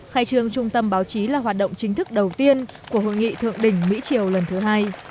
khai trương trung tâm báo chí là hoạt động chính thức đầu tiên của hội nghị thượng đỉnh mỹ triều lần thứ hai